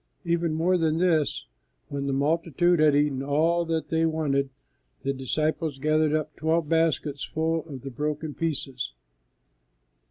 Even more than this, when the multitude had eaten all that they wanted, the disciples gathered up twelve baskets full of the broken pieces.